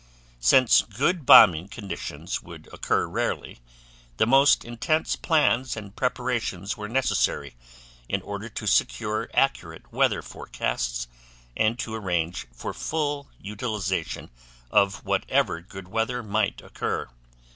Since good bombing conditions would occur rarely, the most intense plans and preparations were necessary in order to secure accurate weather forecasts and to arrange for full utilization of whatever good weather might occur.